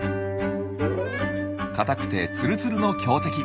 硬くてツルツルの強敵。